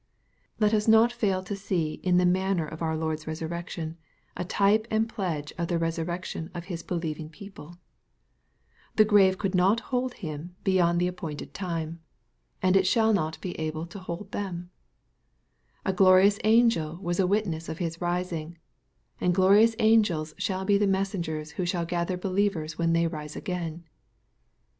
• Let us not fail to see in the manner of our Lord's resurrection, a type and pledge of the resurrection of His Delieving people. The grave could not hold Him beyond MATTHEW, CHAP. XXVITI. 405 the appointed time, and it shall not be able to hold them. — A glorious angel was a witness of His rising, and glorious angels shall be the messengers who shall gather believers when they rise again.